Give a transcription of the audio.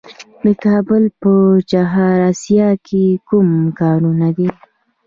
د کابل په چهار اسیاب کې کوم کانونه دي؟